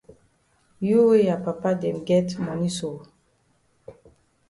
You wey ya papa dem get moni so!